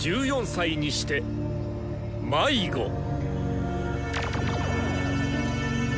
１４歳にして迷子！